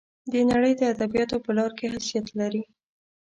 د نړۍ د ادبیاتو په لار کې حیثیت لري.